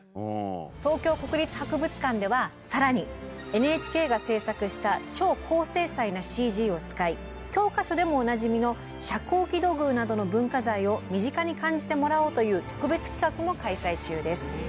東京国立博物館では更にＮＨＫが制作した超高精細なＣＧを使い教科書でもおなじみの遮光器土偶などの文化財を身近に感じてもらおうという特別企画も開催中です。